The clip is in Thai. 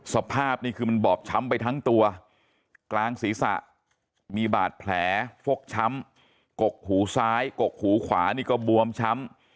สภาพนี่คือมันบอบช้ำไปทั้งตัวกลางศีรษะมีบาดแผลฟกช้ำกกหูซ้ายกกหูขวานี่ก็บวมช้ำ